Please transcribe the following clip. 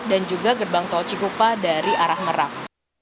dan juga gerbang tol cikupa dari arah merang